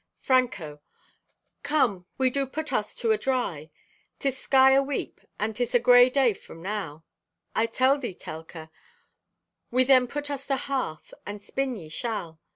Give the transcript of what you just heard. (Franco) "Come, we do put us to a dry. 'Tis sky aweep, and 'tis a gray day from now. I tell thee, Telka, we then put us to hearth, and spin ye shall.